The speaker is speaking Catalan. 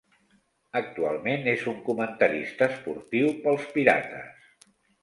Actualment és un comentarista esportiu pels Pirates.